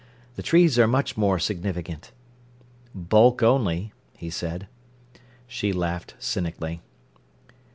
The trees are much more significant." "Bulk only," he said. She laughed cynically.